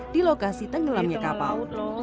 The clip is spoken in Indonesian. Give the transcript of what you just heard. di lokasi tenggelamnya kapal